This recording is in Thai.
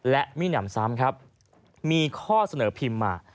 และมิหนำซ้ำครับมีข้อเสนอพิมพ์มา